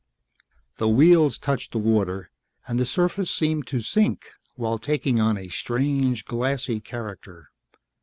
The wheels touched the water and the surface seemed to sink while taking on a strange glassy character.